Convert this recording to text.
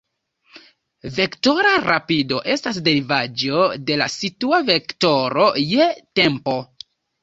Vektora rapido estas derivaĵo de la situa vektoro je tempo.